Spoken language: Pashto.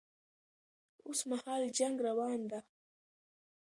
اوس مهال جنګ روان ده